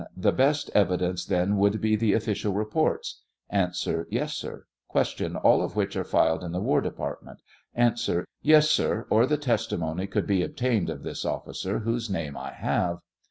The best evidence then would be the official reports ? A. Yes, sir. Q. All of which are filed in the War Department ? A. Yes, sir ; or the testimony could be obtained of this officer, whose name I have.